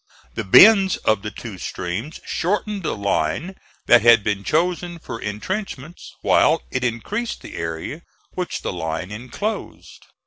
The bends of the two streams shortened the line that had been chosen for intrenchments, while it increased the area which the line inclosed.